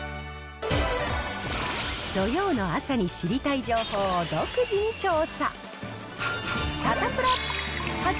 土曜の朝に知りたい情報を独自に調査。